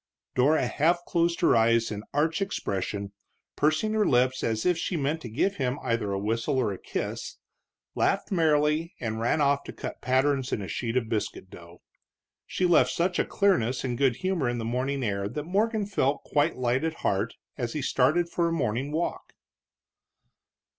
Dora half closed her eyes in arch expression, pursing her lips as if she meant to give him either a whistle or a kiss, laughed merrily, and ran off to cut patterns in a sheet of biscuit dough. She left such a clearness and good humor in the morning air that Morgan felt quite light at heart as he started for a morning walk.